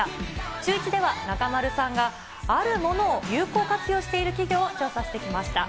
シューイチでは中丸さんがあるものを有効活用している企業を調査してきました。